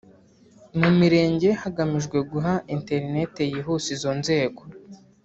mu mirenge hagamijwe guha internet yihuse izo nzego”